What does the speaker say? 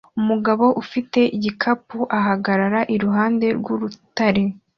Umugabo ufite igikapu ahagarara iruhande rwurutare